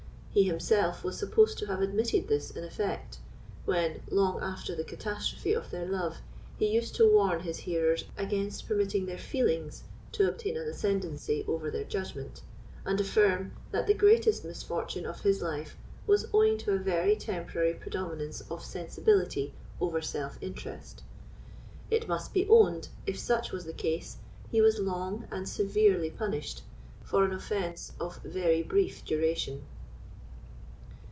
He himself was supposed to have admitted this in effect, when, long after the catastrophe of their love, he used to warn his hearers against permitting their feelings to obtain an ascendency over their judgment, and affirm, that the greatest misfortune of his life was owing to a very temporary predominance of sensibility over self interest. It must be owned, if such was the case, he was long and severely punished for an offence of very brief duration.